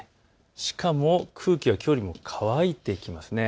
しかも空気がきょうよりも乾いてきます。